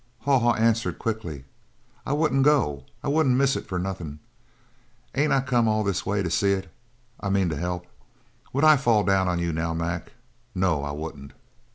Haw Haw answered quickly: "I wouldn't go I wouldn't miss it for nothin'. Ain't I come all this way to see it I mean to help? Would I fall down on you now, Mac? No, I wouldn't!"